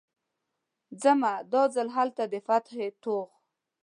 ځمه، دا ځل هلته د فتحې توغ